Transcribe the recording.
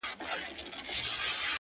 د سیند پر غاړه به زنګیږي ونه.!